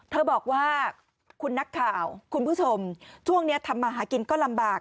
เธอบอกว่าคุณนักข่าวคุณผู้ชมช่วงนี้ทำมาหากินก็ลำบาก